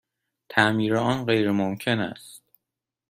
تعمیر آن غیرممکن است.